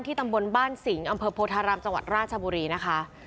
ตำบลบ้านสิงห์อำเภอโพธารามจังหวัดราชบุรีนะคะ